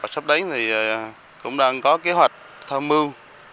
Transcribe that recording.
sắp đến thì cũng đang có kế hoạch tham mưu